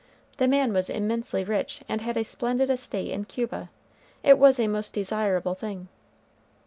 The man was immensely rich, and had a splendid estate in Cuba. It was a most desirable thing.